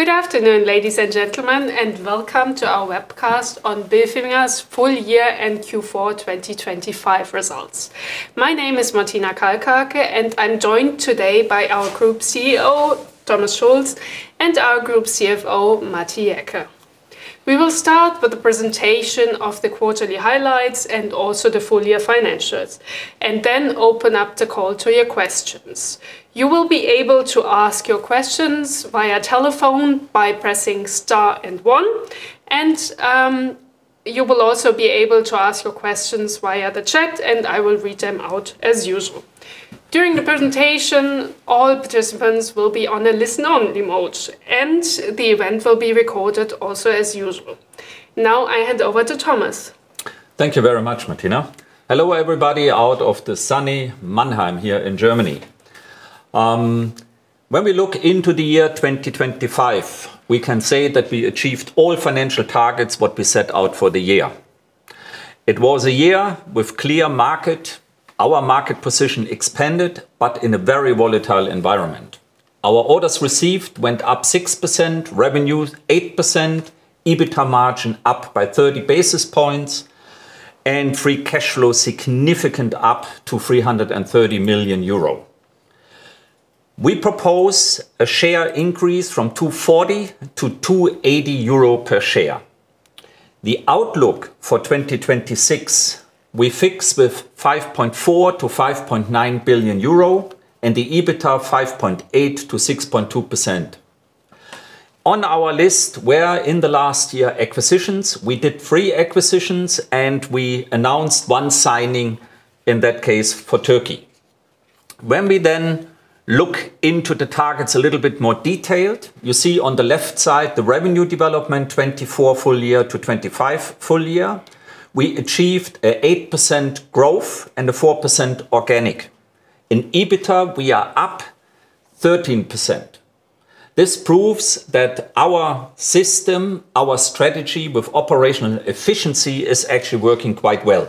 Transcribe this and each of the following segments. Good afternoon, ladies and gentlemen, and welcome to our webcast on Bilfinger's Full Year and Q4 2025 results. My name is Martina Kalkhake, and I'm joined today by our Group CEO, Thomas Schulz, and our Group CFO, Matti Jäkel. We will start with the presentation of the quarterly highlights and also the full year financials and then open up the call to your questions. You will be able to ask your questions via telephone by pressing star and one. You will also be able to ask your questions via the chat, and I will read them out as usual. During the presentation, all participants will be on a listen-only mode, and the event will be recorded also as usual. Now I hand over to Thomas. Thank you very much, Martina. Hello, everybody, out of the sunny Mannheim here in Germany. When we look into the year 2025, we can say that we achieved all financial targets what we set out for the year. It was a year with clear market. Our market position expanded, but in a very volatile environment. Our orders received went up 6%, revenues 8%, EBITDA margin up by 30 basis points, and Free Cash Flow significant up to 330 million euro. We propose a share increase from 2.40-2.80 euro per share. The outlook for 2026 we fix with 5.4 billion-5.9 billion euro and the EBITDA 5.8%-6.2%. On our list were in the last year acquisitions. We did three acquisitions, and we announced one signing in that case for Turkey. We then look into the targets a little bit more detailed. You see on the left side the revenue development 2024 full year to 2025 full year. We achieved an 8% growth and a 4% organic. In EBITDA, we are up 13%. This proves that our system, our strategy with operational efficiency is actually working quite well.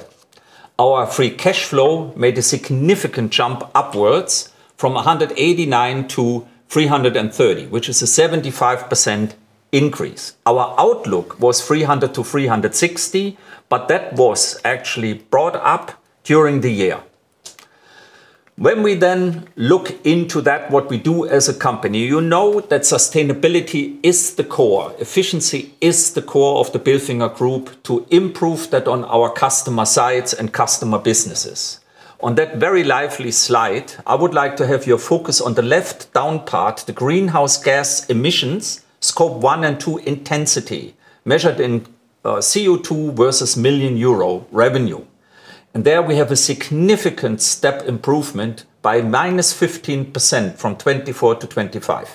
Our Free Cash Flow made a significant jump upwards from 189-330, which is a 75% increase. Our outlook was 300-360, but that was actually brought up during the year. We then look into that, what we do as a company. You know that sustainability is the core. Efficiency is the core of the Bilfinger SE to improve that on our customer sides and customer businesses. On that very lively slide, I would like to have your focus on the left down part, the greenhouse gas emissions, Scope one and two intensity, measured in CO2 versus million EUR revenue. There we have a significant step improvement by -15% from 2024-2025.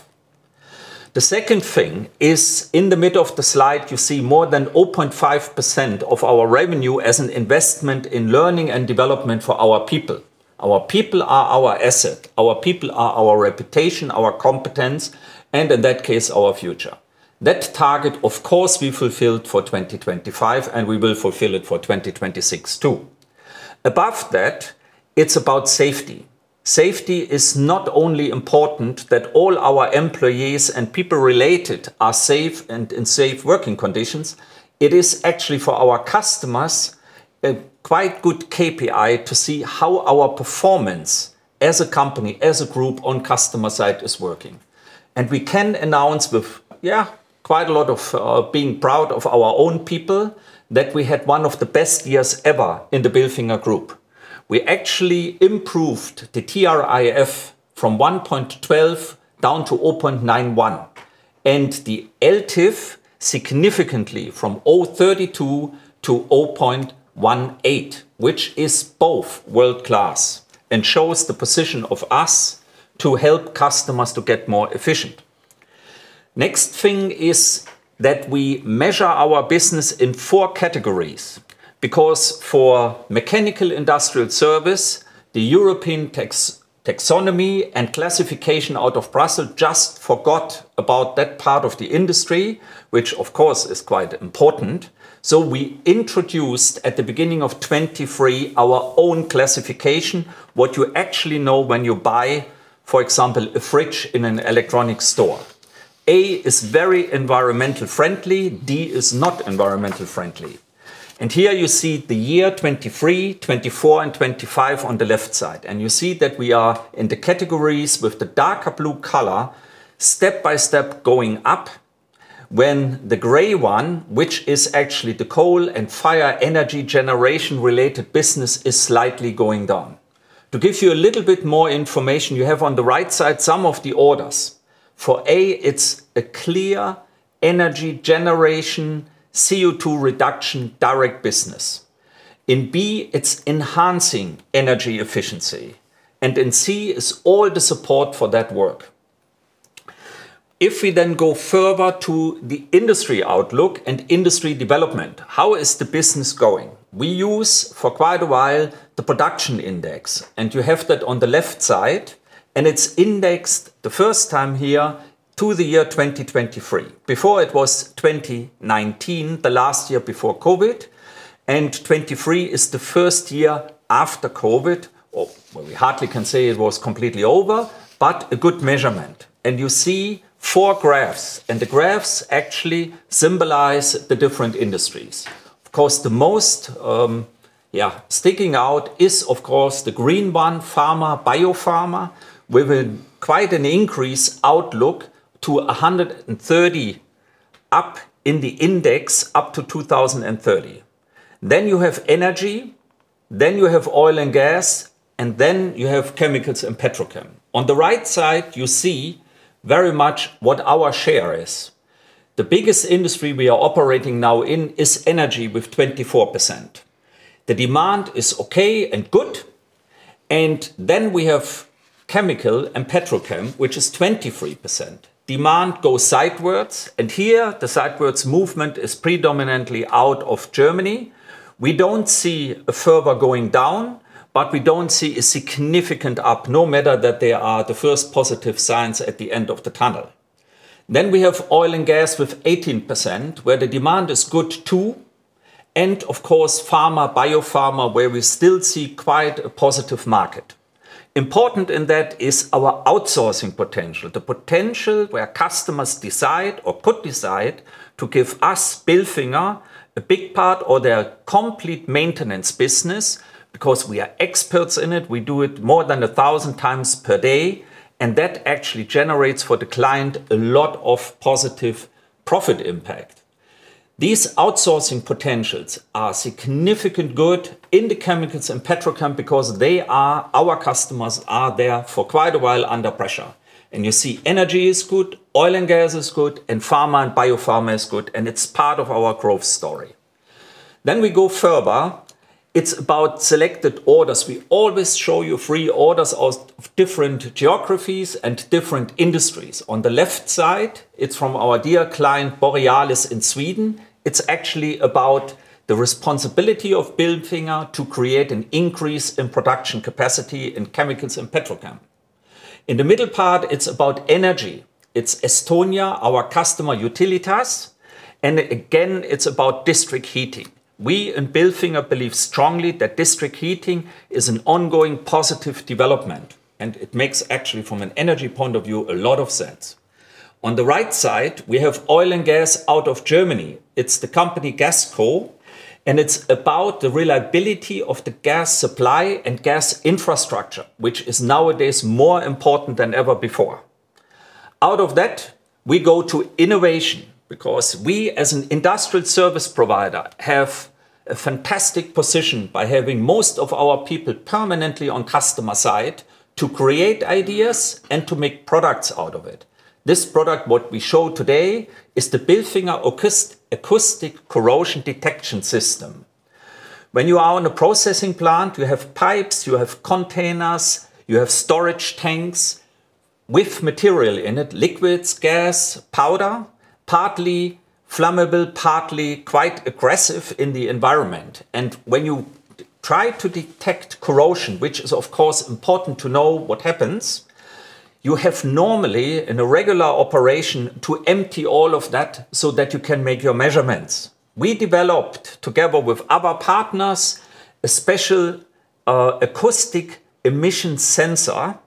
The second thing is in the middle of the slide you see more than 0.5% of our revenue as an investment in learning and development for our people. Our people are our asset. Our people are our reputation, our competence, and in that case, our future. That target, of course, we fulfilled for 2025. We will fulfill it for 2026 too. Above that, it's about safety. Safety is not only important that all our employees and people related are safe and in safe working conditions. It is actually for our customers a quite good KPI to see how our performance as a company, as a group on customer side is working. We can announce with, yeah, quite a lot of being proud of our own people that we had one of the best years ever in the Bilfinger SE. We actually improved the TRIF from 1.12 down to 0.91 and the LTIF significantly from 0.32-0.18, which is both world-class and shows the position of us to help customers to get more efficient. Next thing is that we measure our business in four categories because for mechanical industrial service, the EU Taxonomy and classification out of Brussels just forgot about that part of the industry, which of course is quite important. We introduced at the beginning of 23 our own classification, what you actually know when you buy, for example, a fridge in an electronic store. A is very environmentally friendly. D is not environmentally friendly. Here you see the year 23, 24, and 25 on the left side. You see that we are in the categories with the darker blue color step by step going up when the gray one, which is actually the coal and fire energy generation related business, is slightly going down. To give you a little bit more information, you have on the right side some of the orders. For A, it's a clear energy generation, CO2 reduction direct business. In B, it's enhancing energy efficiency. In C is all the support for that work. If we go further to the industry outlook and industry development, how is the business going? We use for quite a while the production index, you have that on the left side, it's indexed the first time here to the year 2023. Before it was 2019, the last year before COVID. 23 is the first year after COVID, or, well, we hardly can say it was completely over, but a good measurement. You see four graphs, the graphs actually symbolize the different industries. Of course, the most, yeah, sticking out is of course the green one, pharma, biopharma, with a quite an increase outlook to 130 up in the index up to 2030. You have energy, you have oil and gas, you have chemicals and petrochem. On the right side, you see very much what our share is. The biggest industry we are operating now in is energy with 24%. The demand is okay and good. We have chemical and petrochem, which is 23%. Demand goes sideways. Here the sideways movement is predominantly out of Germany. We don't see a further going down. We don't see a significant up, no matter that there are the first positive signs at the end of the tunnel. We have oil and gas with 18%, where the demand is good too and of course, pharma, biopharma, where we still see quite a positive market. Important in that is our outsourcing potential. The potential where customers decide or could decide to give us, Bilfinger, a big part or their complete maintenance business because we are experts in it. We do it more than 1,000x per day, and that actually generates for the client a lot of positive profit impact. These outsourcing potentials are significant good in the chemicals and petrochem because our customers are there for quite a while under pressure. You see energy is good, oil and gas is good, and pharma and biopharma is good, and it's part of our growth story. We go further. It's about selected orders. We always show you three orders of different geographies and different industries. On the left side, it's from our dear client, Borealis in Sweden. It's actually about the responsibility of Bilfinger to create an increase in production capacity in chemicals and petrochem. In the middle part, it's about energy. It's Estonia, our customer, Utilitas, and again, it's about district heating. We in Bilfinger believe strongly that district heating is an ongoing positive development, and it makes actually, from an energy point of view, a lot of sense. On the right side, we have oil and gas out of Germany. It's the company Gasunie. It's about the reliability of the gas supply and gas infrastructure, which is nowadays more important than ever before. Out of that, we go to innovation because we, as an industrial service provider, have a fantastic position by having most of our people permanently on customer side to create ideas and to make products out of it. This product, what we show today, is the Bilfinger Acoustic Corrosion Detection System. When you are in a processing plant, you have pipes, you have containers, you have storage tanks with material in it, liquids, gas, powder, partly flammable, partly quite aggressive in the environment. When you try to detect corrosion, which is of course important to know what happens, you have normally in a regular operation to empty all of that so that you can make your measurements. We developed, together with other partners, a special acoustic emission sensor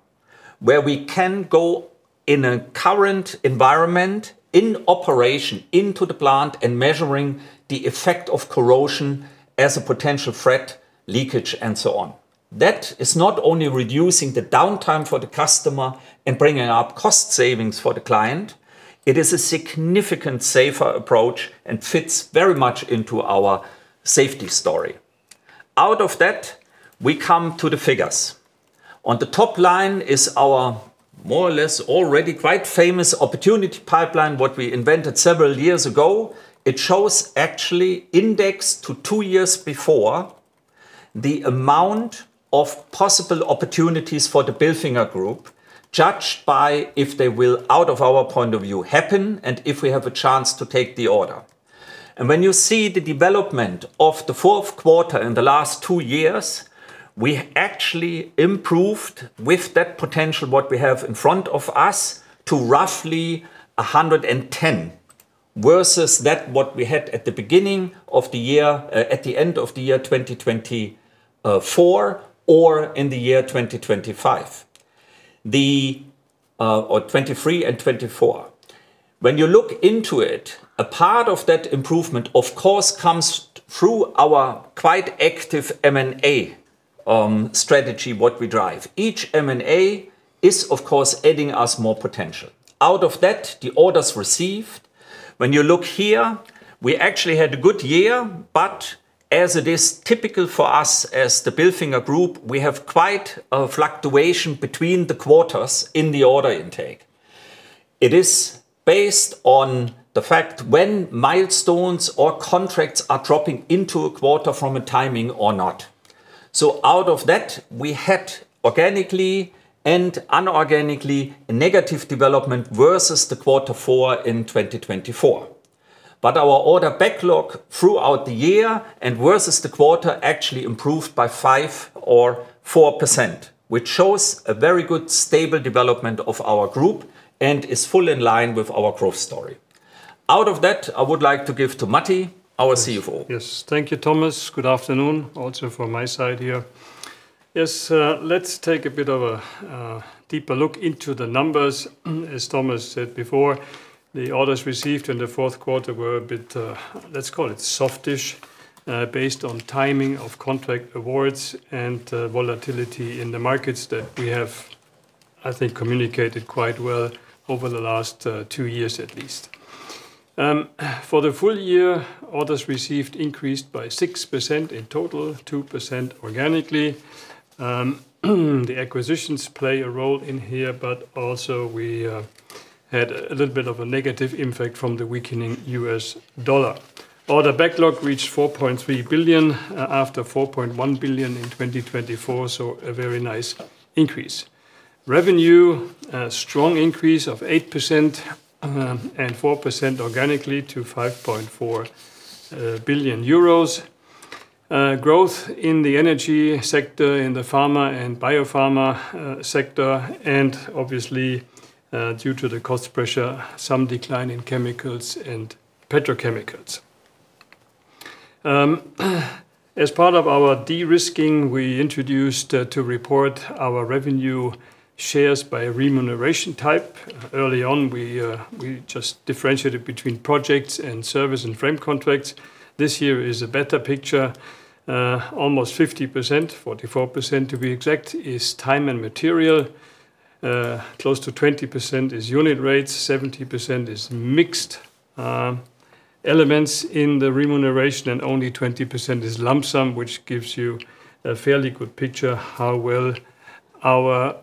where we can go in a current environment in operation into the plant and measuring the effect of corrosion as a potential threat, leakage and so on. That is not only reducing the downtime for the customer and bringing up cost savings for the client, it is a significant safer approach and fits very much into our safety story. Out of that, we come to the figures. On the top line is our more or less already quite famous opportunity pipeline, what we invented several years ago. It shows actually indexed to two years before the amount of possible opportunities for the Bilfinger SE, judged by if they will, out of our point of view, happen and if we have a chance to take the order. When you see the development of the fourth quarter in the last two years, we actually improved with that potential, what we have in front of us, to roughly 110, versus that what we had at the beginning of the year, at the end of the year 2024, or in the year 2025. The, or 2023 and 2024. When you look into it, a part of that improvement, of course, comes through our quite active M&A strategy, what we drive. Each M&A is, of course, adding us more potential. Out of that, the orders received. When you look here, we actually had a good year, but as it is typical for us as the Bilfinger SE, we have quite a fluctuation between the quarters in the order intake. It is based on the fact when milestones or contracts are dropping into a quarter from a timing or not. Out of that, we had organically and unorganically a negative development versus the quarter four in 2024. Our order backlog throughout the year and versus the quarter actually improved by 5% or 4%, which shows a very good, stable development of our group and is fully in line with our growth story. Out of that, I would like to give to Matti, our CFO. Yes. Yes. Thank you, Thomas. Good afternoon also from my side here. Yes. Let's take a bit of a deeper look into the numbers. As Thomas said before, the orders received in the fourth quarter were a bit, let's call it softish, based on timing of contract awards and volatility in the markets that we have, I think, communicated quite well over the last two years at least. For the full year, orders received increased by 6% in total, 2% organically. The acquisitions play a role in here, but also we had a little bit of a negative impact from the weakening US dollar. Order backlog reached 4.3 billion after 4.1 billion in 2024, so a very nice increase. Revenue, a strong increase of 8%, and 4% organically to 5.4 billion euros. Growth in the energy sector, in the pharma and biopharma sector, and obviously, due to the cost pressure, some decline in chemicals and petrochemicals. As part of our de-risking, we introduced to report our revenue shares by remuneration type. Early on, we just differentiated between projects and service and frame contracts. This year is a better picture. Almost 50%, 44% to be exact, is time and material. Close to 20% is unit rates, 70% is mixed elements in the remuneration, and only 20% is lump sum, which gives you a fairly good picture how well our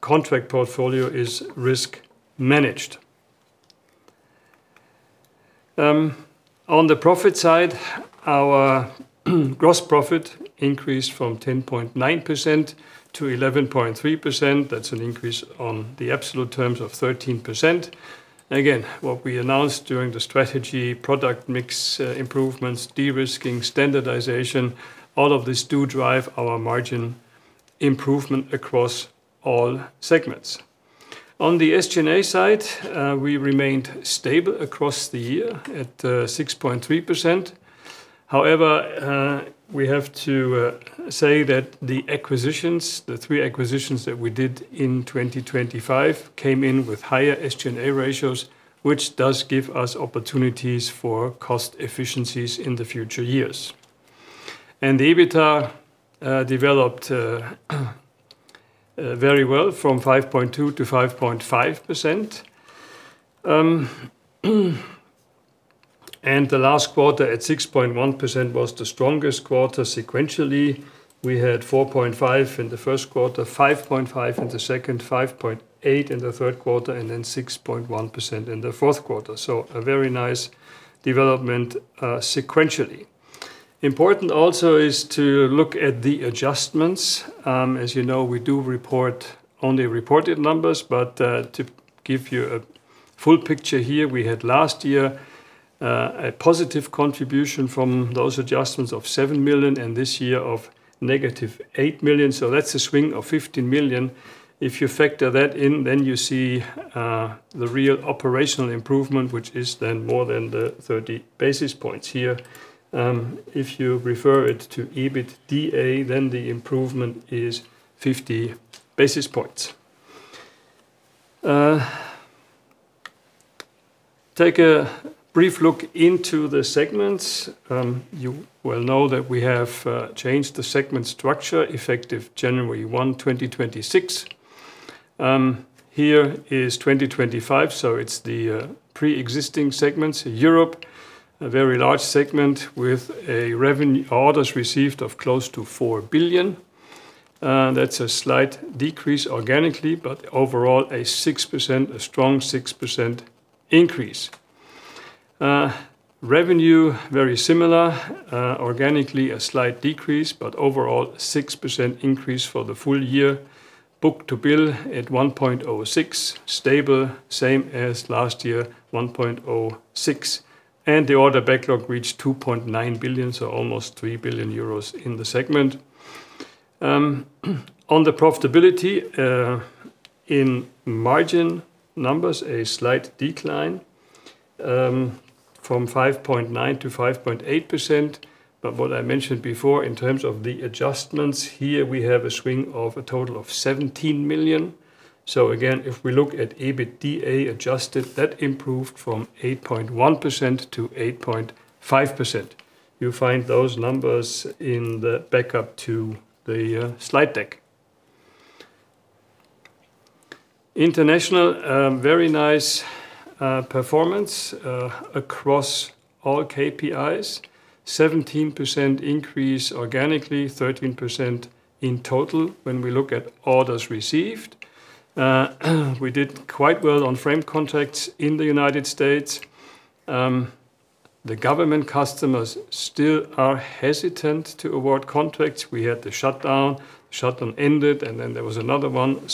contract portfolio is risk managed. On the profit side, our gross profit increased from 10.9%-11.3%. That's an increase on the absolute terms of 13%. Again, what we announced during the strategy, product mix, improvements, de-risking, standardization, all of this do drive our margin improvement across all segments. On the SG&A side, we remained stable across the year at 6.3%. However, we have to say that the acquisitions, the three acquisitions that we did in 2025, came in with higher SG&A ratios, which does give us opportunities for cost efficiencies in the future years. The EBITDA developed very well from 5.2%-5.5%. The last quarter at 6.1% was the strongest quarter sequentially. We had 4.5 in the first quarter, 5.5 in the second, 5.8 in the third quarter, and 6.1% in the fourth quarter. A very nice development sequentially. Important also is to look at the adjustments. As you know, we do report only reported numbers, but to give you a full picture here, we had last year a positive contribution from those adjustments of 7 million, and this year of -8 million. That's a swing of 15 million. If you factor that in, you see the real operational improvement, which is then more than the 30 basis points here. If you refer it to EBITDA, the improvement is 50 basis points. Take a brief look into the segments. You will know that we have changed the segment structure effective January 1, 2026. Here is 2025, it's the preexisting segments. Europe, a very large segment with orders received of close to 4 billion. That's a slight decrease organically, but overall a 6%, a strong 6% increase. Revenue, very similar. Organically, a slight decrease, but overall 6% increase for the full year. book-to-bill at 1.06, stable, same as last year, 1.06. The order backlog reached 2.9 billion, almost 3 billion euros in the segment. On the profitability, in margin numbers, a slight decline from 5.9%-5.8%. What I mentioned before, in terms of the adjustments here, we have a swing of a total of 17 million. Again, if we look at EBITDA Adjusted, that improved from 8.1%-8.5%. You'll find those numbers in the backup to the slide deck. International, a very nice performance across all KPIs. 17% increase organically, 13% in total when we look at orders received. We did quite well on frame contracts in the United States. The government customers still are hesitant to award contracts. We had the shutdown. Shutdown ended, and then there was another one.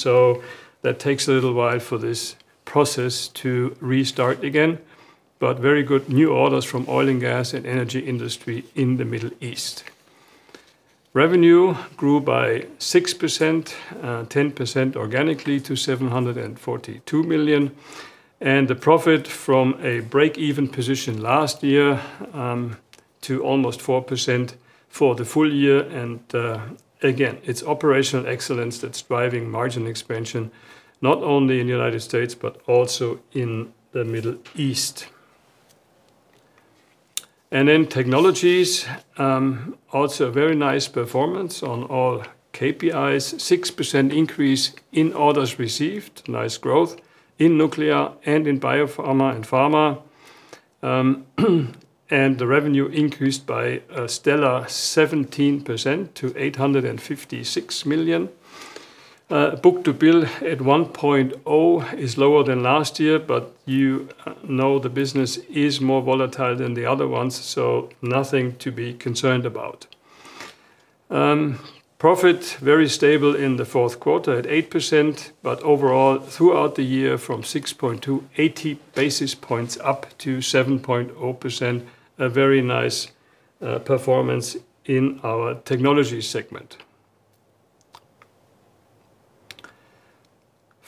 That takes a little while for this process to restart again. Very good new orders from oil and gas and energy industry in the Middle East. Revenue grew by 6%, 10% organically to 742 million. The profit from a break-even position last year, to almost 4% for the full year. Again, it's operational excellence that's driving margin expansion, not only in the United States, but also in the Middle East. Technologies, also very nice performance on all KPIs, 6% increase in orders received, nice growth in nuclear and in biopharma and pharma. The revenue increased by a stellar 17% to 856 million. Book to bill at 1.0 is lower than last year, but you know the business is more volatile than the other ones, so nothing to be concerned about. Profit very stable in the fourth quarter at 8%, but overall throughout the year from 6.2, 80 basis points up to 7.0%. A very nice performance in our technology segment.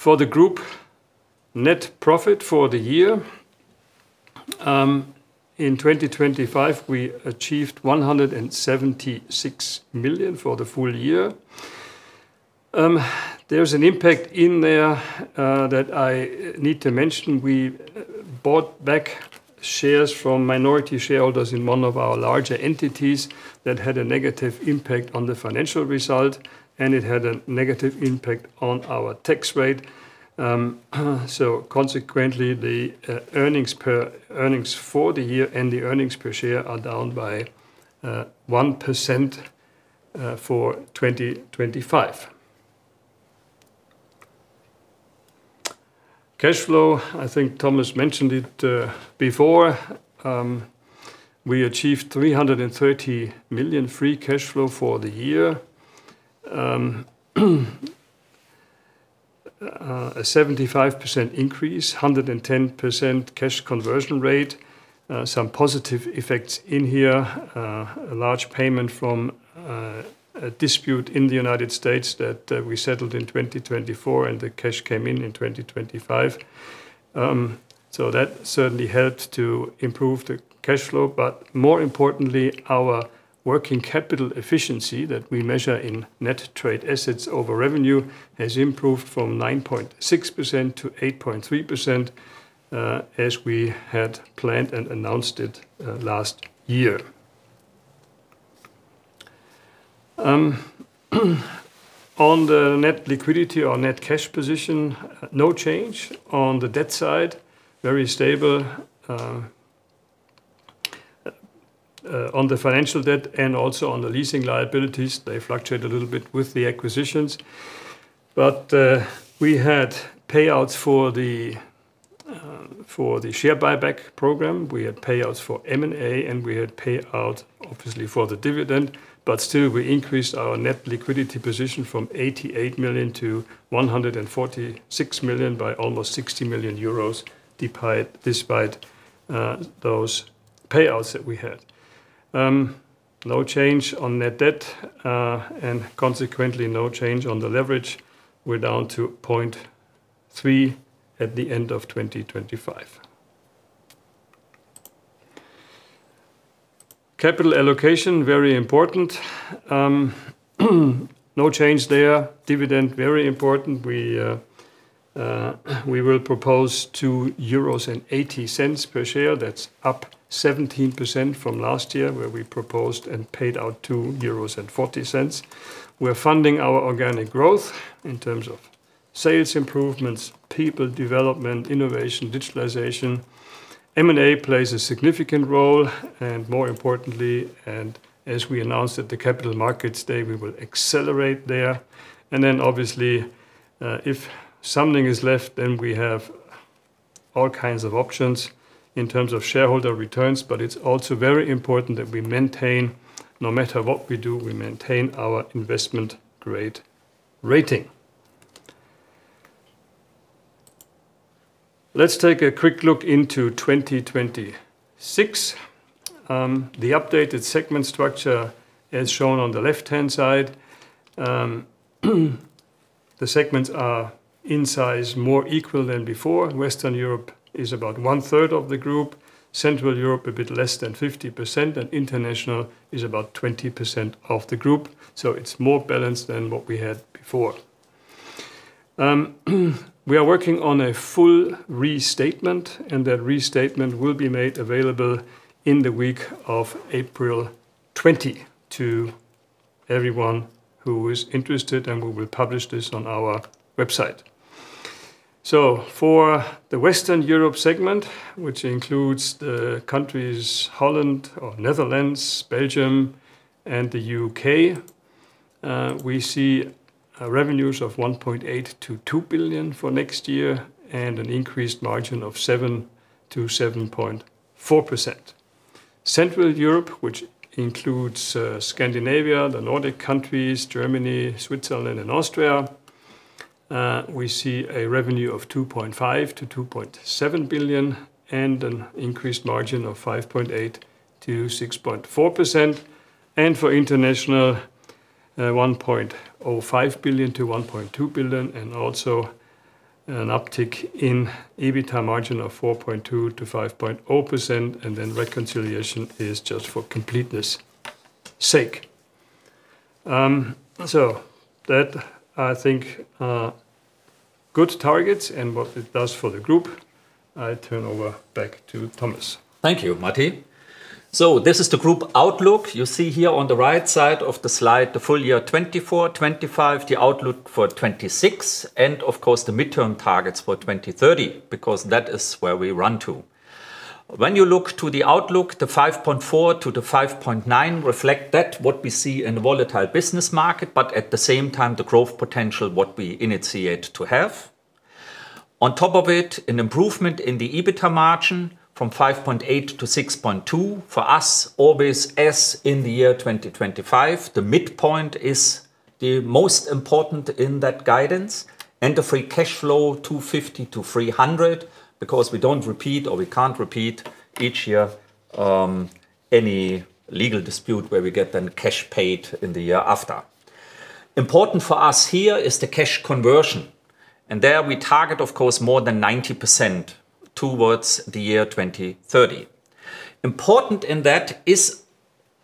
For the group net profit for the year, in 2025, we achieved 176 million for the full year. There's an impact in there that I need to mention. We bought back shares from minority shareholders in one of our larger entities that had a negative impact on the financial result, and it had a negative impact on our tax rate. Consequently, the earnings for the year and the earnings per share are down by 1% for 2025. Cash flow, I think Thomas mentioned it before. We achieved 330 million Free Cash Flow for the year. A 75% increase, 110% cash conversion rate. Some positive effects in here. A large payment from a dispute in the United States that we settled in 2024 and the cash came in in 2025. That certainly helped to improve the cash flow. More importantly, our working capital efficiency that we measure in Net Trading Assets over revenue has improved from 9.6%-8.3% as we had planned and announced it last year. On the net liquidity or net cash position, no change. On the debt side, very stable on the financial debt and also on the leasing liabilities. They fluctuated a little bit with the acquisitions. We had payouts for the share buyback program. We had payouts for M&A, and we had payout obviously for the dividend, but still we increased our net liquidity position from 88 million-146 million by almost 60 million euros, despite those payouts that we had. No change on net debt, and consequently no change on the leverage. We're down to 0.3 at the end of 2025. Capital allocation, very important. No change there. Dividend, very important. We will propose 2.80 euros per share. That's up 17% from last year, where we proposed and paid out 2.40 euros. We're funding our organic growth in terms of sales improvements, people development, innovation, digitalization. M&A plays a significant role, more importantly, as we announced at the Capital Markets Day, we will accelerate there. Obviously, if something is left, we have all kinds of options in terms of shareholder returns. It's also very important that we maintain, no matter what we do, we maintain our investment-grade rating. Let's take a quick look into 2026. The updated segment structure is shown on the left-hand side. The segments are in size more equal than before. Western Europe is about one-third of the group, Central Europe a bit less than 50%, and International is about 20% of the group. It's more balanced than what we had before. We are working on a full restatement. That restatement will be made available in the week of April 20 to everyone who is interested. We will publish this on our website. For the Western Europe segment, which includes the countries Netherlands, Belgium and the U.K., we see revenues of 1.8 billion-2 billion for next year and an increased margin of 7%-7.4%. Central Europe, which includes Scandinavia, the Nordic countries, Germany, Switzerland and Austria, we see a revenue of 2.5 billion-2.7 billion and an increased margin of 5.8%-6.4%. For international, 1.05 billion-1.2 billion, also an uptick in EBITDA margin of 4.2%-5.0%. Reconciliation is just for completeness sake. That I think are good targets and what it does for the group. I turn over back to Thomas. Thank you, Matti. This is the group outlook. You see here on the right side of the slide, the full year 2024, 2025, the outlook for 2026 and of course the midterm targets for 2030, because that is where we run to. When you look to the outlook, the 5.4%-5.9% reflect that, what we see in the volatile business market, but at the same time, the growth potential what we initiate to have. On top of it, an improvement in the EBITDA margin from 5.8%-6.2%. For us, always, as in the year 2025, the midpoint is the most important in that guidance. The Free Cash Flow, 250 million-300 million, because we don't repeat or we can't repeat each year, any legal dispute where we get then cash paid in the year after. Important for us here is the cash conversion. There we target of course more than 90% towards the year 2030. Important in that is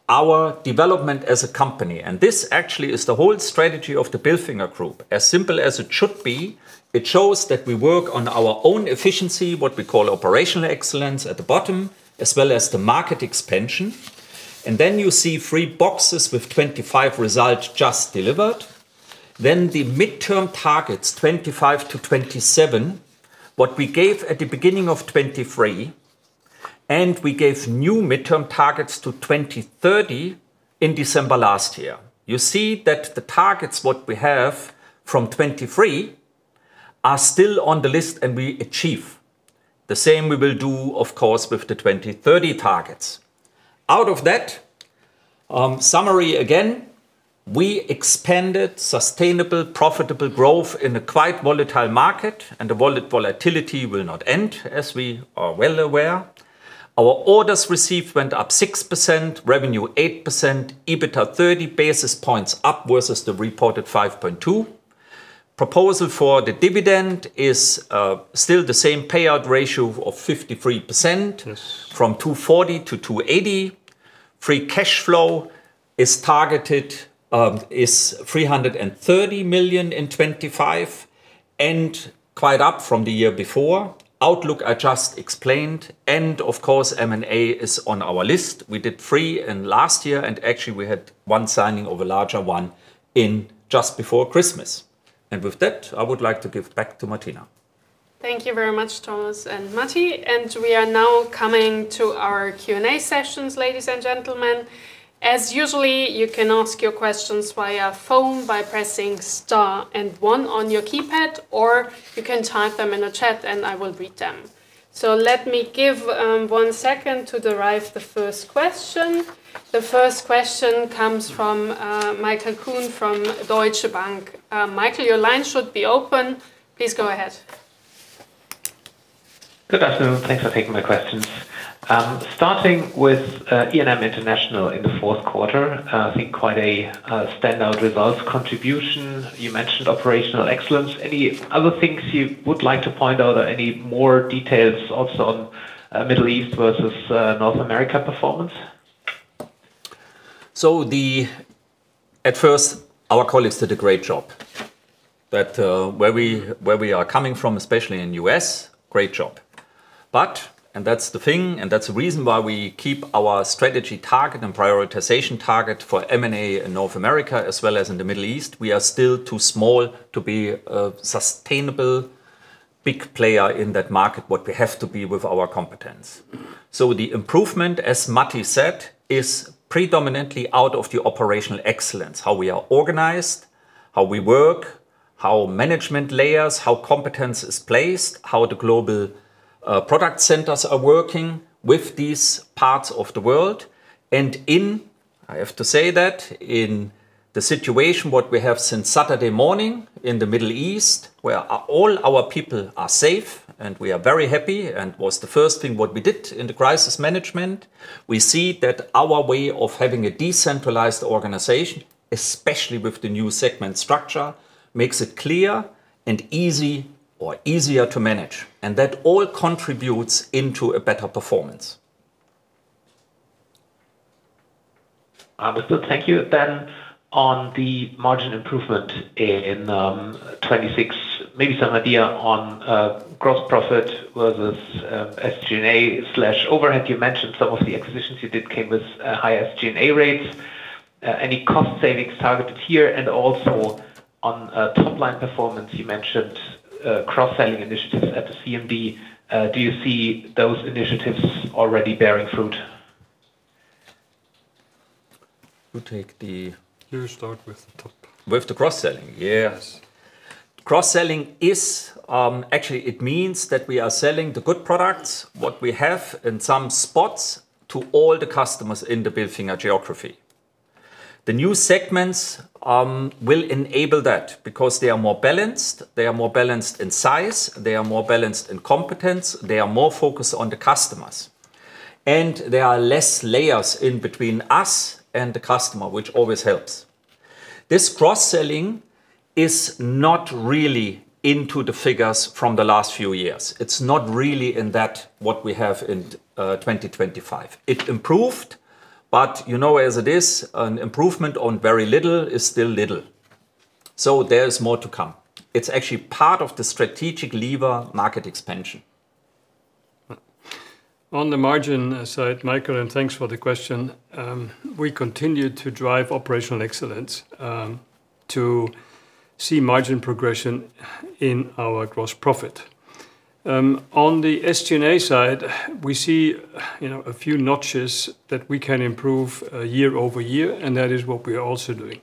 our development as a company. This actually is the whole strategy of the Bilfinger SE. As simple as it should be, it shows that we work on our own efficiency, what we call operational excellence at the bottom, as well as the market expansion. Then you see three boxes with 25 results just delivered. Then the midterm targets, 2025-2027, what we gave at the beginning of 2023, and we gave new midterm targets to 2030 in December last year. You see that the targets what we have from 2023 are still on the list and we achieve. The same we will do, of course, with the 2030 targets. Out of that summary again, we expanded sustainable, profitable growth in a quite volatile market, and the volatility will not end, as we are well aware. Our orders received went up 6%, revenue 8%, EBITDA 30 basis points up versus the reported 5.2. Proposal for the dividend is still the same payout ratio of 53%. Yes... from 240 million-280 million. Free Cash Flow is targeted, is 330 million in 2025 and quite up from the year before. Outlook, I just explained. Of course, M&A is on our list. We did three last year, and actually we had 1 signing of a larger one just before Christmas. With that, I would like to give back to Martina. Thank you very much, Thomas and Matti. We are now coming to our Q&A sessions, ladies and gentlemen. As usually, you can ask your questions via phone by pressing star and one on your keypad, or you can type them in the chat and I will read them. Let me give one second to derive the first question. The first question comes from Michael Kuhn from Deutsche Bank. Michael, your line should be open. Please go ahead. Good afternoon. Thanks for taking my questions. Starting with E&M International in the fourth quarter, I think quite a standout results contribution. You mentioned operational excellence. Any other things you would like to point out or any more details also on Middle East versus North America performance? At first, our colleagues did a great job. That, where we are coming from, especially in U.S., great job. And that's the thing, and that's the reason why we keep our strategy target and prioritization target for M&A in North America as well as in the Middle East. We are still too small to be a sustainable big player in that market, what we have to be with our competence. The improvement, as Matti said, is predominantly out of the operational excellence, how we are organized, how we work, how management layers, how competence is placed, how the global product centers are working with these parts of the world. In, I have to say that, in the situation what we have since Saturday morning in the Middle East, where all our people are safe and we are very happy, and was the first thing what we did in the crisis management. We see that our way of having a decentralized organization, especially with the new segment structure, makes it clear and easy or easier to manage, and that all contributes into a better performance. Understood. Thank you. On the margin improvement in 26, maybe some idea on gross profit versus SG&A/overhead. You mentioned some of the acquisitions you did came with high SG&A rates. Any cost savings targeted here? On top-line performance, you mentioned cross-selling initiatives at the CMB. Do you see those initiatives already bearing fruit? Who take the- You start with the top. With the cross-selling? Yes. Cross-selling is, actually it means that we are selling the good products, what we have in some spots, to all the customers in the Bilfinger geography. The new segments will enable that because they are more balanced. They are more balanced in size. They are more balanced in competence. They are more focused on the customers. There are less layers in between us and the customer, which always helps. This cross-selling is not really into the figures from the last few years. It's not really in that what we have in 2025. It improved, you know as it is, an improvement on very little is still little. There is more to come. It's actually part of the strategic lever market expansion. On the margin side, Michael Kuhn, and thanks for the question, we continue to drive operational excellence to see margin progression in our gross profit. On the SG&A side, we see, you know, a few notches that we can improve year-over-year. That is what we are also doing.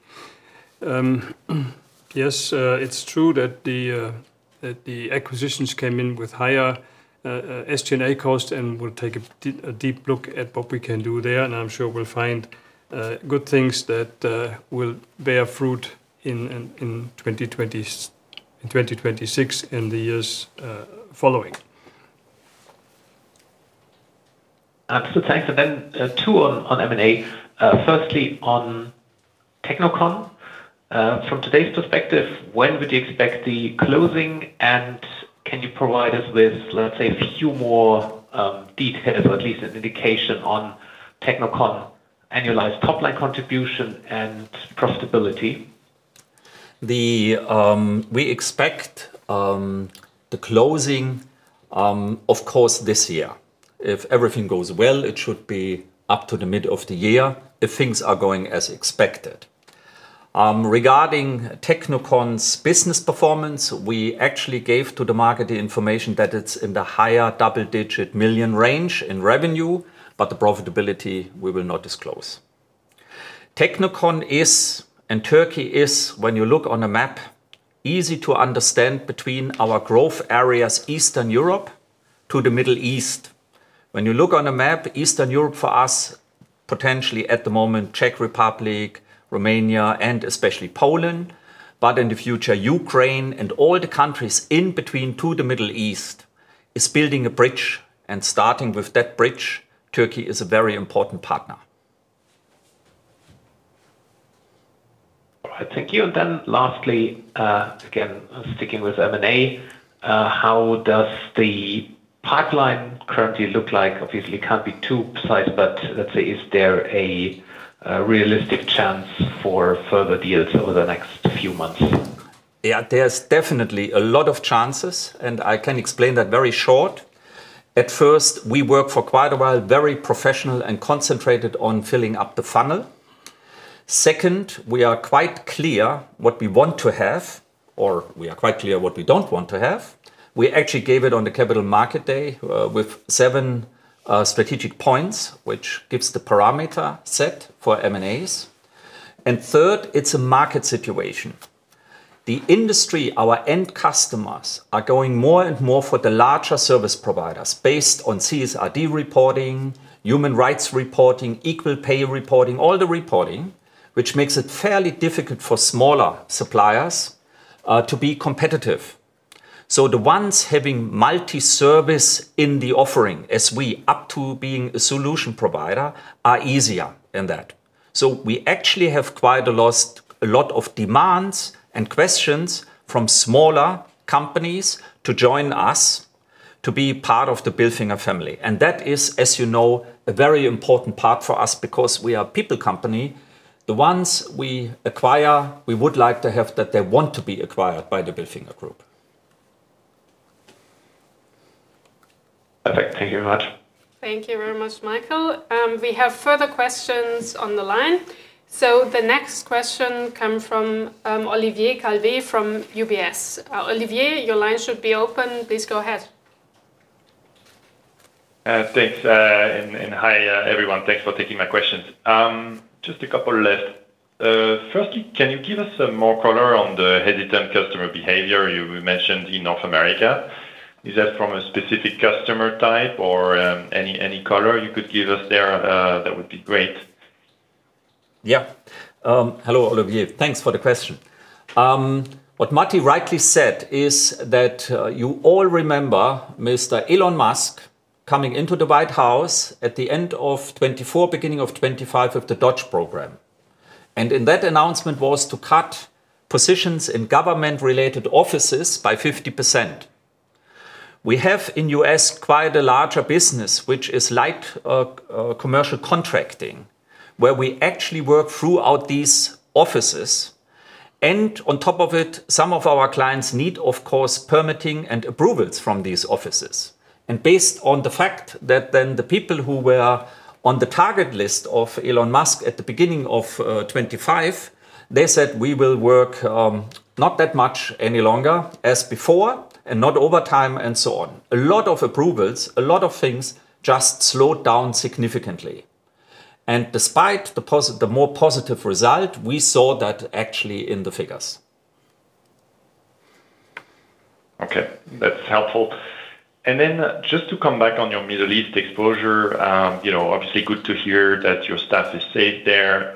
Yes, it's true that the acquisitions came in with higher SG&A costs. We'll take a deep look at what we can do there. I'm sure we'll find good things that will bear fruit in 2026 and the years following. Absolutely. Thanks. Then, two on M&A. Firstly, on Technikon, from today's perspective, when would you expect the closing? Can you provide us with, let's say, a few more details or at least an indication on Technikon annualized top-line contribution and profitability? We expect the closing, of course, this year. If everything goes well, it should be up to the mid of the year if things are going as expected. Regarding Technikon's business performance, we actually gave to the market the information that it's in the higher double-digit million range in revenue, but the profitability we will not disclose. Technikon is, and Turkey is, when you look on a map, easy to understand between our growth areas, Eastern Europe to the Middle East. When you look on a map, Eastern Europe for us, potentially at the moment, Czech Republic, Romania, and especially Poland, but in the future, Ukraine and all the countries in between to the Middle East is building a bridge. Starting with that bridge, Turkey is a very important partner. All right. Thank you. Lastly, again, sticking with M&A, how does the pipeline currently look like? Obviously, can't be too precise, but let's say, is there a realistic chance for further deals over the next few months? Yeah, there's definitely a lot of chances, and I can explain that very short. At first, we work for quite a while, very professional and concentrated on filling up the funnel. Second, we are quite clear what we want to have, or we are quite clear what we don't want to have. We actually gave it on the Capital Markets Day, with seven strategic points, which gives the parameter set for M&As. Third, it's a market situation. The industry, our end customers, are going more and more for the larger service providers based on CSRD reporting, human rights reporting, equal pay reporting, all the reporting, which makes it fairly difficult for smaller suppliers to be competitive. The ones having multi-service in the offering, as we up to being a solution provider, are easier in that. We actually have quite a lot of demands and questions from smaller companies to join us to be part of the Bilfinger family. That is, as you know, a very important part for us because we are people company. The ones we acquire, we would like to have that they want to be acquired by the Bilfinger group. Perfect. Thank you very much. Thank you very much, Michael. We have further questions on the line. The next question come from, Olivier Calvet from UBS. Olivier, your line should be open. Please go ahead. Thanks, hi, everyone. Thanks for taking my questions. Just a couple left. Firstly, can you give us some more color on the hesitant customer behavior you mentioned in North America? Is that from a specific customer type? Any color you could give us there, that would be great. Yeah. Hello, Olivier. Thanks for the question. What Matti rightly said is that you all remember Mr. Elon Musk coming into the White House at the end of 2024, beginning of 2025 with the DOGE program. In that announcement was to cut positions in government-related offices by 50%. We have in U.S. quite a larger business, which is like commercial contracting, where we actually work throughout these offices. On top of it, some of our clients need, of course, permitting and approvals from these offices. Based on the fact that then the people who were on the target list of Elon Musk at the beginning of 2025, they said, "We will work not that much any longer as before and not overtime and so on." A lot of approvals, a lot of things just slowed down significantly. Despite the more positive result, we saw that actually in the figures. Okay. That's helpful. Just to come back on your Middle East exposure, you know, obviously good to hear that your staff is safe there.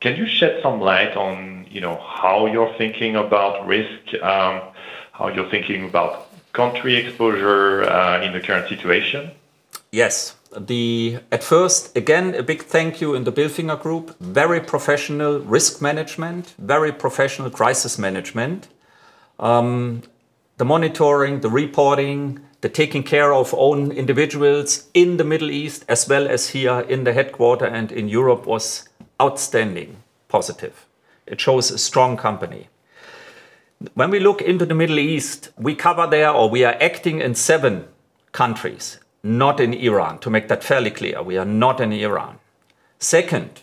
Can you shed some light on, you know, how you're thinking about risk? How you're thinking about country exposure, in the current situation? Yes. At first, again, a big thank you in the Bilfinger SE. Very professional risk management, very professional crisis management. The monitoring, the reporting, the taking care of own individuals in the Middle East as well as here in the headquarter and in Europe was outstanding, positive. It shows a strong company. When we look into the Middle East, we cover there or we are acting in seven countries, not in Iran, to make that fairly clear. We are not in Iran. Second,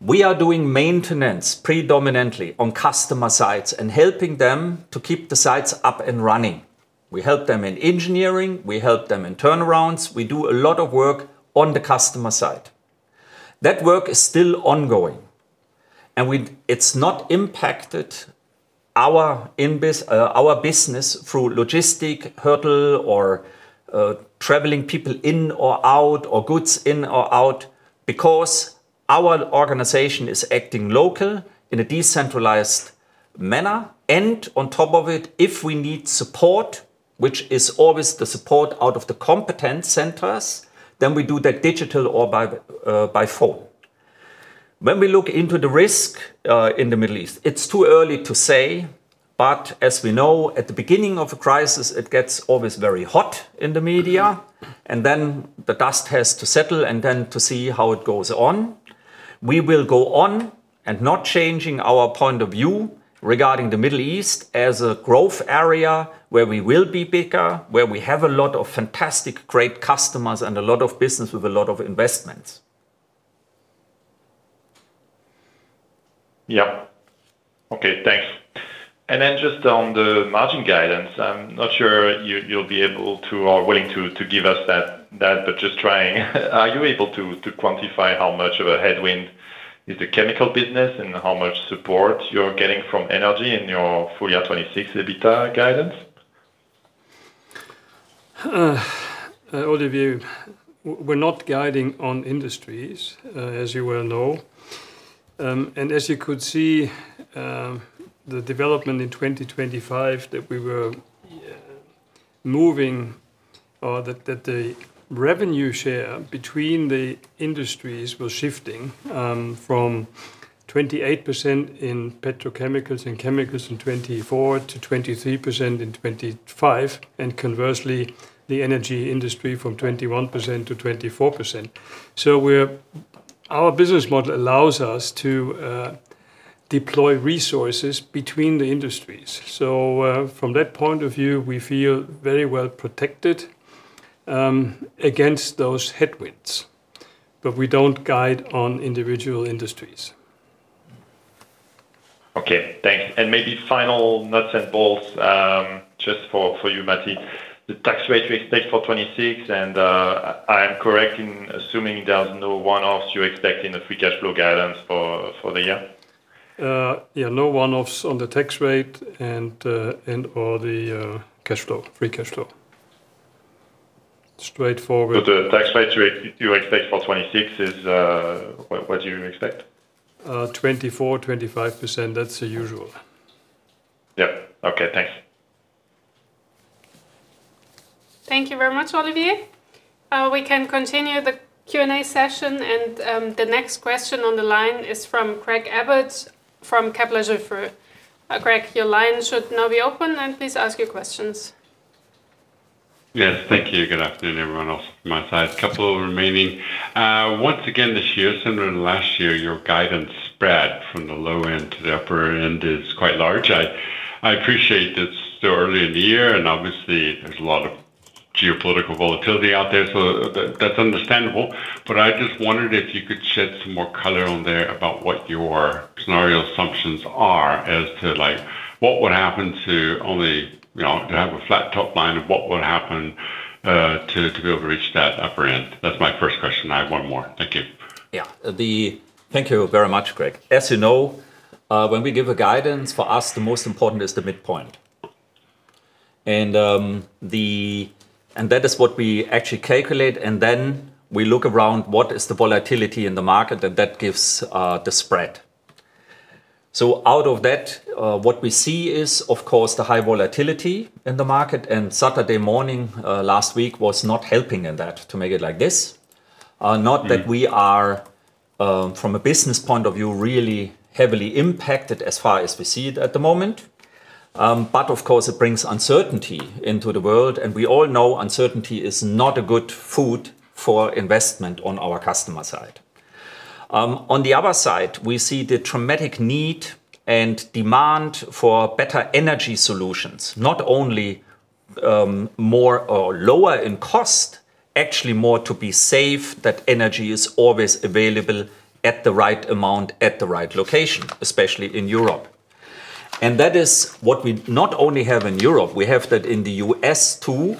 we are doing maintenance predominantly on customer sites and helping them to keep the sites up and running. We help them in engineering, we help them in turnarounds, we do a lot of work on the customer side. That work is still ongoing. It's not impacted our business through logistic hurdle or traveling people in or out, or goods in or out because our organization is acting local in a decentralized manner. On top of it, if we need support, which is always the support out of the competent centers, then we do that digital or by phone. When we look into the risk in the Middle East, it's too early to say, but as we know, at the beginning of a crisis, it gets always very hot in the media, and then the dust has to settle and then to see how it goes on. We will go on and not changing our point of view regarding the Middle East as a growth area where we will be bigger, where we have a lot of fantastic, great customers and a lot of business with a lot of investments. Yeah. Okay. Thanks. Just on the margin guidance, I'm not sure you'll be able to or willing to give us that, but just trying. Are you able to quantify how much of a headwind is the chemical business and how much support you're getting from energy in your full year 2026 EBITDA guidance? Olivier, we're not guiding on industries, as you well know. As you could see, the development in 2025, that we were moving or that the revenue share between the industries was shifting, from 28% in petrochemicals and chemicals in 2024 to 23% in 2025, and conversely, the energy industry from 21%-24%. Our business model allows us to deploy resources between the industries. From that point of view, we feel very well protected against those headwinds. We don't guide on individual industries. Okay. Thanks. Maybe final nuts and bolts, just for you, Matti. The tax rate we expect for 2026, and, I'm correct in assuming there's no one-offs you expect in the Free Cash Flow guidance for the year? Yeah, no one-offs on the tax rate and/or the, cash flow, Free Cash Flow. The tax rate you you expect for 2026 is, what do you expect? 24%-25%. That's the usual. Yeah. Okay. Thanks. Thank you very much, Olivier. We can continue the Q&A session, and the next question on the line is from Craig Abbott from Kepler Cheuvreux. Craig, your line should now be open, and please ask your questions. Yes. Thank you. Good afternoon, everyone else from my side. A couple remaining. Once again this year, similar to last year, your guidance spread from the low end to the upper end is quite large. I appreciate it's still early in the year, obviously there's a lot of geopolitical volatility out there, so that's understandable. I just wondered if you could shed some more color on there about what your scenario assumptions are as to like what would happen to only, you know, to have a flat top line and what would happen to be able to reach that upper end? That's my first question. I have one more. Thank you. Thank you very much, Craig. As you know, when we give a guidance, for us, the most important is the midpoint. That is what we actually calculate, and then we look around what is the volatility in the market, and that gives the spread. Out of that, what we see is, of course, the high volatility in the market, and Saturday morning last week was not helping in that to make it like this. Not that we are from a business point of view, really heavily impacted as far as we see it at the moment. But of course it brings uncertainty into the world, and we all know uncertainty is not a good food for investment on our customer side. On the other side, we see the dramatic need and demand for better energy solutions. Not only, more or lower in cost, actually more to be safe, that energy is always available at the right amount, at the right location, especially in Europe. That is what we not only have in Europe, we have that in the U.S. too.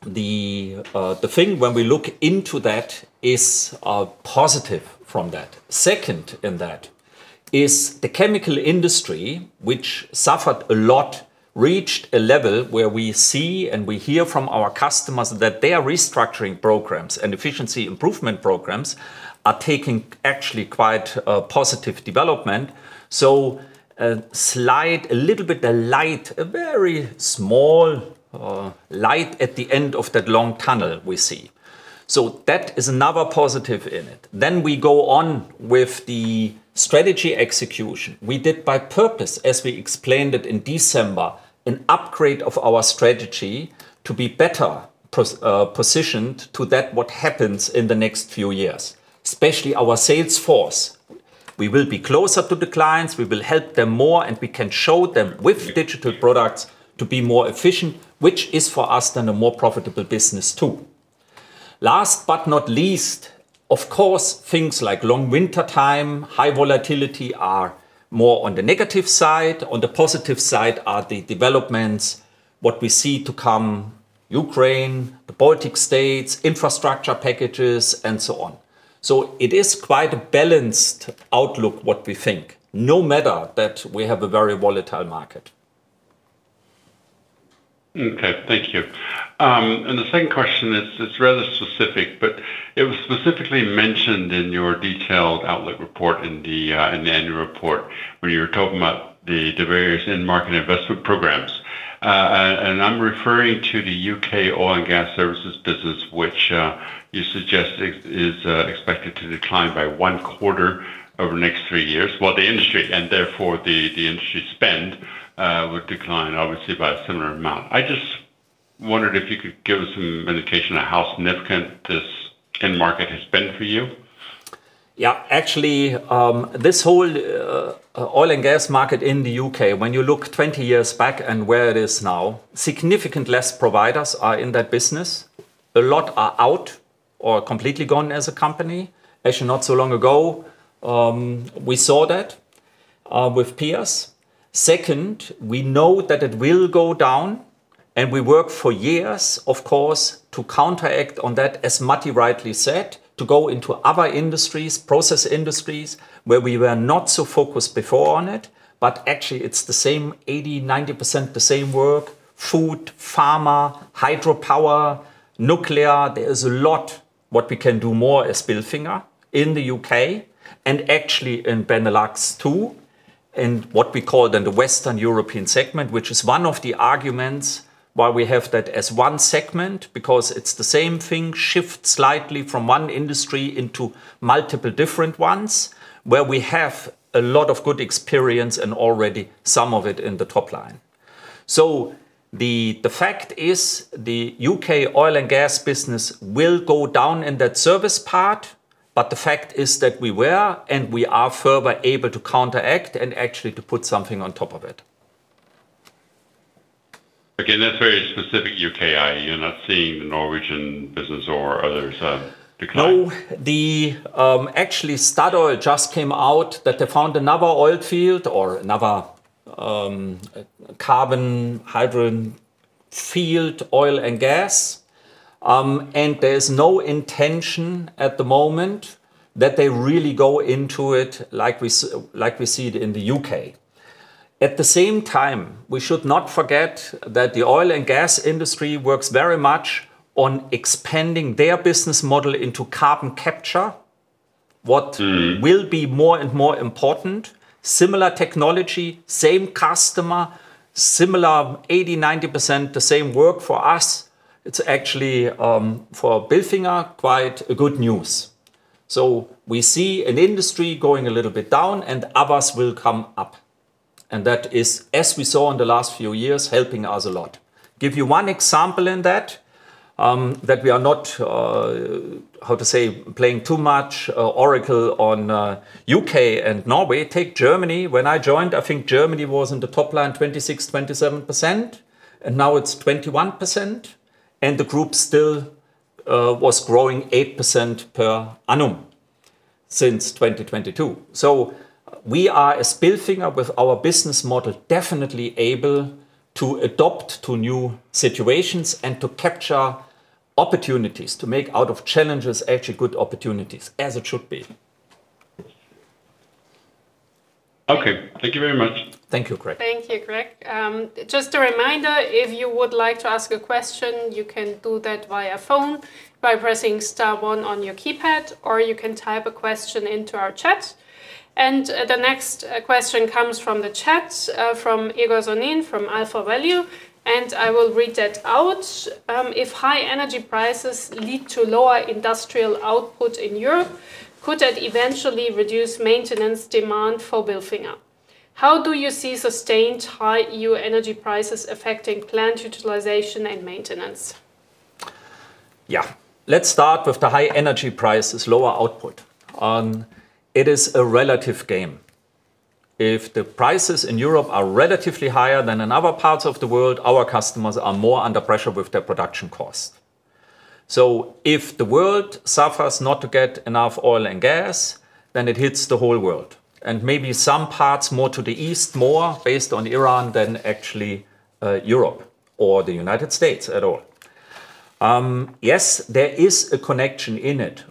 The, the thing when we look into that is positive from that. Second in that is the chemical industry, which suffered a lot, reached a level where we see and we hear from our customers that their restructuring programs and efficiency improvement programs are taking actually quite a positive development. A slight, a little bit, a light, a very small light at the end of that long tunnel we see. That is another positive in it. We go on with the strategy execution. We did by purpose, as we explained it in December, an upgrade of our strategy to be better positioned to that what happens in the next few years, especially our sales force. We will be closer to the clients, we will help them more, and we can show them with digital products to be more efficient, which is for us then a more profitable business too. Last but not least, of course, things like long winter time, high volatility are more on the negative side. On the positive side are the developments, what we see to come, Ukraine, the Baltic states, infrastructure packages, and so on. It is quite a balanced outlook, what we think, no matter that we have a very volatile market. Okay. Thank you. The second question is, it's rather specific, but it was specifically mentioned in your detailed outlook report in the annual report when you were talking about the various end market investment programs. I'm referring to the U.K. oil and gas services business, which you suggest is expected to decline by one quarter over the next three years. The industry and therefore the industry spend would decline obviously by a similar amount. I just wondered if you could give some indication on how significant this end market has been for you? Actually, this whole oil and gas market in the U.K., when you look 20 years back and where it is now, significant less providers are in that business. A lot are out or completely gone as a company. Actually, not so long ago, we saw that with peers. We know that it will go down, and we work for years, of course, to counteract on that, as Matti rightly said, to go into other industries, process industries, where we were not so focused before on it, but actually it's the same 80%, 90% the same work, food, pharma, hydropower, nuclear. There is a lot what we can do more as Bilfinger in the U.K. and actually in Benelux too, in what we call then the Western European segment, which is one of the arguments why we have that as one segment, because it's the same thing, shift slightly from one industry into multiple different ones, where we have a lot of good experience and already some of it in the top line. The fact is, the U.K. oil and gas business will go down in that service part, but the fact is that we were and we are further able to counteract and actually to put something on top of it. Again, that's very specific U.K. Are you're not seeing the Norwegian business or others, decline? No. Actually, Equinor just came out that they found another oil field or another carbon hydrogen field, oil and gas, there's no intention at the moment that they really go into it like we see it in the U.K. At the same time, we should not forget that the oil and gas industry works very much on expanding their business model into carbon capture. Mm-hmm... will be more and more important. Similar technology, same customer, similar 80%, 90% the same work for us. It's actually for Bilfinger, quite a good news. We see an industry going a little bit down, and others will come up. That is, as we saw in the last few years, helping us a lot. Give you one example in that we are not, how to say, playing too much oracle on U.K. and Norway. Take Germany. When I joined, I think Germany was in the top line 26%, 27%, and now it's 21%, and the group still was growing 8% per annum since 2022. We are, as Bilfinger, with our business model, definitely able to adapt to new situations and to capture opportunities, to make out of challenges actually good opportunities, as it should be. Okay. Thank you very much. Thank you, Craig. Thank you, Craig. Just a reminder, if you would like to ask a question, you can do that via phone by pressing star one on your keypad, or you can type a question into our chat. The next question comes from the chat, from Egor Sonin from Alpha Value, and I will read that out. If high energy prices lead to lower industrial output in Europe, could that eventually reduce maintenance demand for Bilfinger? How do you see sustained high EU energy prices affecting plant utilization and maintenance? Yeah. Let's start with the high energy prices, lower output. It is a relative game. If the prices in Europe are relatively higher than in other parts of the world, our customers are more under pressure with their production cost. If the world suffers not to get enough oil and gas, then it hits the whole world, and maybe some parts more to the east, more based on Iran than actually Europe or the United States at all. Yes, there is a connection in it,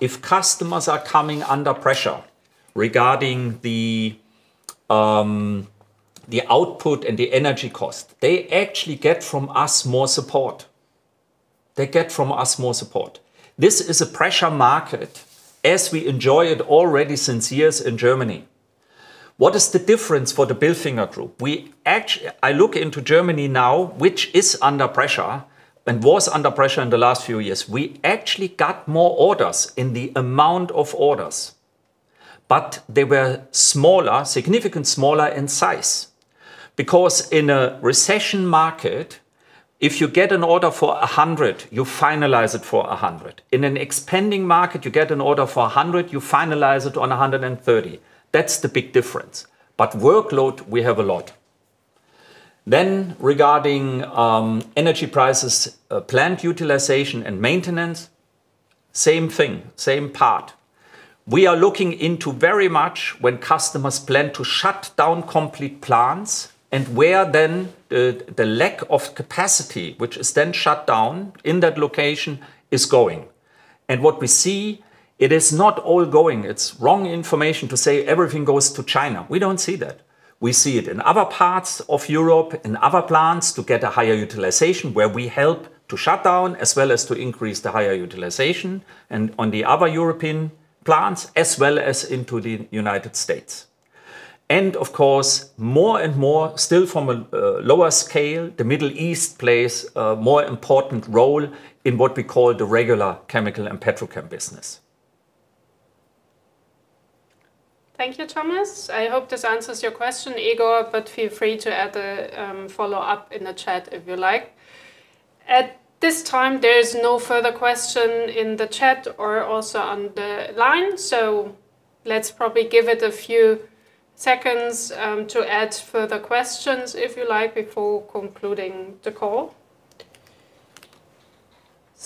if customers are coming under pressure regarding the output and the energy cost, they actually get from us more support. They get from us more support. This is a pressure market as we enjoy it already since years in Germany. What is the difference for the Bilfinger group? I look into Germany now, which is under pressure and was under pressure in the last few years. We actually got more orders in the amount of orders, but they were smaller, significantly smaller in size. In a recession market, if you get an order for 100, you finalize it for 100. In an expanding market, you get an order for 100, you finalize it on 130. That's the big difference. Workload, we have a lot. Regarding energy prices, plant utilization and maintenance, same thing, same part. We are looking into very much when customers plan to shut down complete plants and where the lack of capacity, which is then shut down in that location is going. What we see, it is not all going. It's wrong information to say everything goes to China. We don't see that. We see it in other parts of Europe, in other plants to get a higher utilization, where we help to shut down as well as to increase the higher utilization and on the other European plants as well as into the United States. Of course, more and more still from a lower scale, the Middle East plays a more important role in what we call the regular chemical and petrochem business. Thank you, Thomas. I hope this answers your question, Egor, but feel free to add a follow-up in the chat if you like. At this time, there is no further question in the chat or also on the line, so let's probably give it a few seconds to add further questions, if you like, before concluding the call.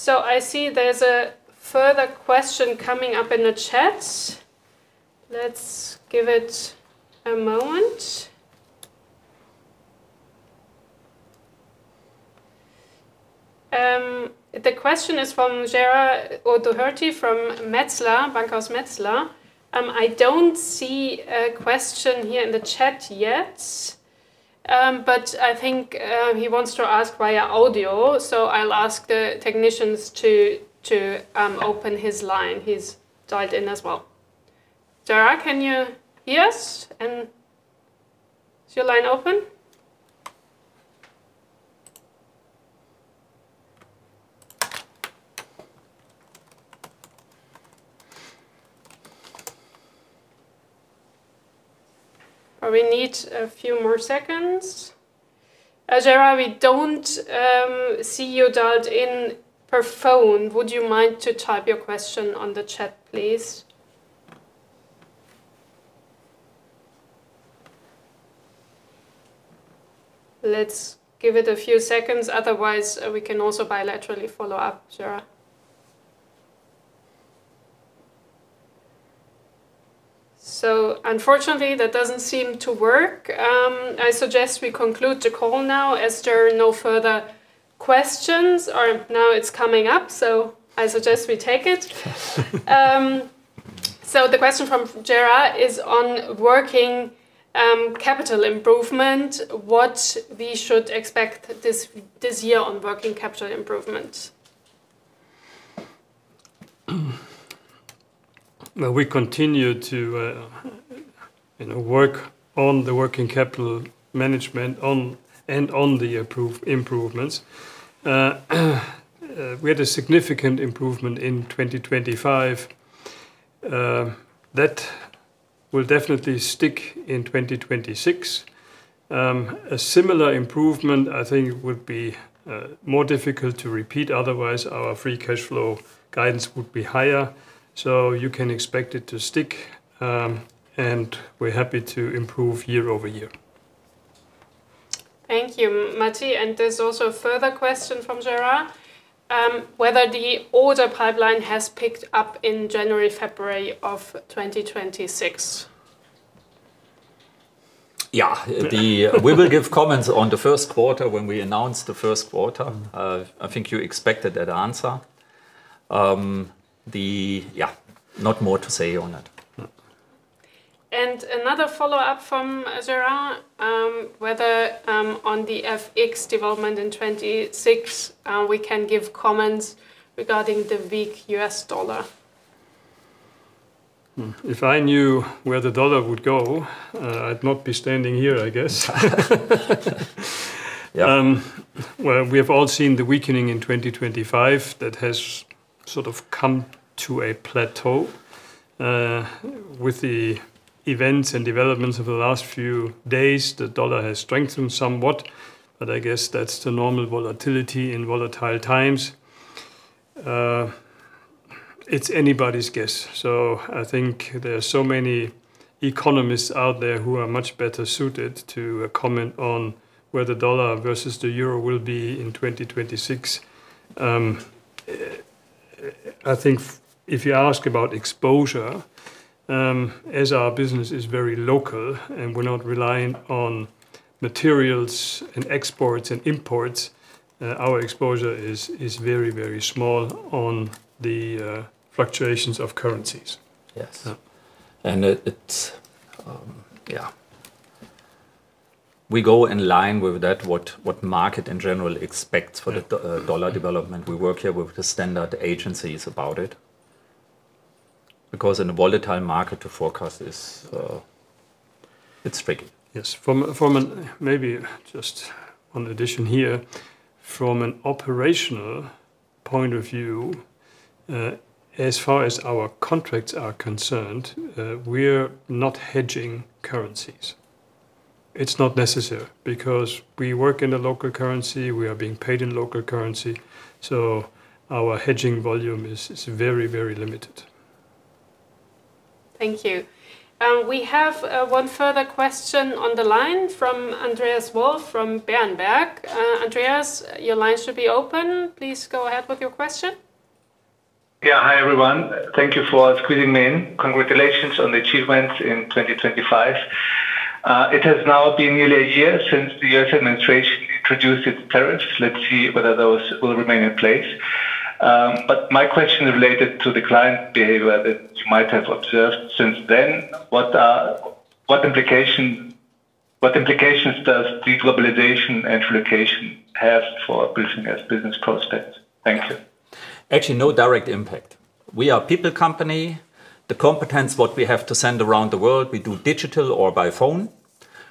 I see there's a further question coming up in the chat. Let's give it a moment. The question is from Gerard O'Doherty from Metzler, Bankhaus Metzler. I don't see a question here in the chat yet, but I think he wants to ask via audio, so I'll ask the technicians to open his line. He's dialed in as well. Gerard, can you hear us? Is your line open? We need a few more seconds. Gerard, we don't see you dialed in per phone. Would you mind to type your question on the chat, please? Let's give it a few seconds. Otherwise, we can also bilaterally follow up, Gerard. Unfortunately, that doesn't seem to work. I suggest we conclude the call now as there are no further questions. No, it's coming up. I suggest we take it. The question from Gerard is on working capital improvement. What we should expect this year on working capital improvement? Well, we continue to, you know, work on the working capital management and on the improvements. We had a significant improvement in 2025. That will definitely stick in 2026. A similar improvement, I think, would be more difficult to repeat, otherwise our Free Cash Flow guidance would be higher. You can expect it to stick, and we're happy to improve year-over-year. Thank you, Matti. There's also a further question from Gerard, whether the order pipeline has picked up in January, February of 2026? Yeah. We will give comments on the first quarter when we announce the first quarter. I think you expected that answer. Yeah, not more to say on it. Another follow-up from Gerard, whether on the FX development in 2026, we can give comments regarding the weak US dollar? If I knew where the dollar would go, I'd not be standing here, I guess. Yeah. Well, we have all seen the weakening in 2025 that has sort of come to a plateau. With the events and developments of the last few days, the dollar has strengthened somewhat, I guess that's the normal volatility in volatile times. It's anybody's guess. I think there are so many economists out there who are much better suited to comment on where the dollar versus the euro will be in 2026. I think if you ask about exposure, as our business is very local and we're not relying on materials and exports and imports, our exposure is very, very small on the fluctuations of currencies. Yes. Yeah. It, it's, yeah. We go in line with that, what market in general expects. Yeah. for the dollar development. We work here with the standard agencies about it. In a volatile market the forecast is, it's tricky. Yes. From an operational point of view, as far as our contracts are concerned, we're not hedging currencies. It's not necessary because we work in the local currency, we are being paid in local currency, so our hedging volume is very limited. Thank you. We have one further question on the line from Andreas Wolf from Berenberg. Andreas, your line should be open. Please go ahead with your question. Yeah. Hi everyone. Thank you for squeezing me in. Congratulations on the achievements in 2025. It has now been nearly a year since the U.S. administration introduced its tariffs. Let's see whether those will remain in place. My question related to the client behavior that you might have observed since then. What implications does deglobalization and relocation have for Bilfinger's business prospects? Thank you. Actually, no direct impact. We are people company. The competence what we have to send around the world, we do digital or by phone.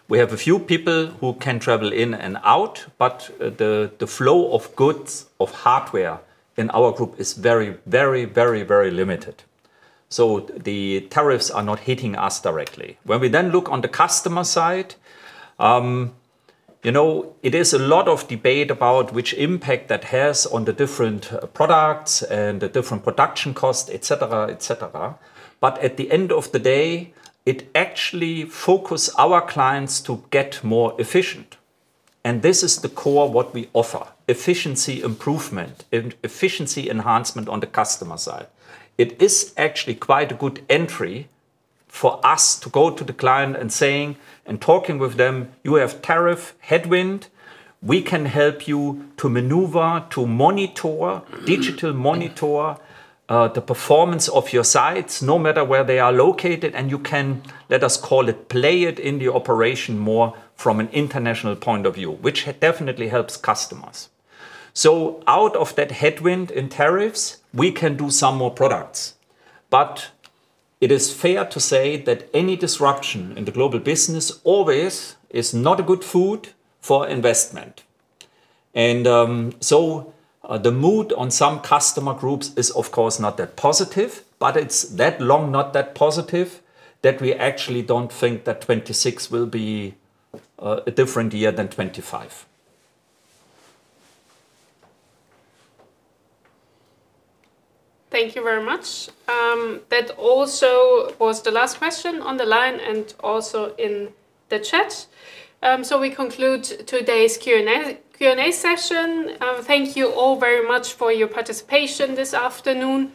We have a few people who can travel in and out, but the flow of goods, of hardware in our group is very, very, very, very limited. The tariffs are not hitting us directly. When we then look on the customer side, you know, it is a lot of debate about which impact that has on the different products and the different production costs, et cetera, et cetera. At the end of the day, it actually focus our clients to get more efficient. This is the core what we offer: efficiency improvement and efficiency enhancement on the customer side. It is actually quite a good entry for us to go to the client and saying and talking with them, "You have tariff headwind. We can help you to maneuver, to monitor, digital monitor, the performance of your sites no matter where they are located, and you can, let us call it, play it in the operation more from an international point of view," which definitely helps customers. Out of that headwind in tariffs, we can do some more products. It is fair to say that any disruption in the global business always is not a good food for investment. So, the mood on some customer groups is of course not that positive, but it's that long not that positive that we actually don't think that 26 will be a different year than 25. Thank you very much. That also was the last question on the line and also in the chat. We conclude today's Q&A session. Thank you all very much for your participation this afternoon.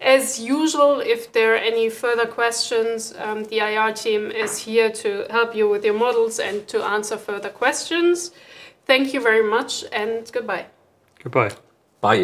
As usual, if there are any further questions, the IR team is here to help you with your models and to answer further questions. Thank you very much and goodbye. Goodbye. Bye.